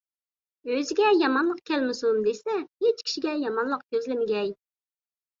ئۆزىگە يامانلىق كەلمىسۇن دېسە، ھېچ كىشىگە يامانلىق كۆزلىمىگەي.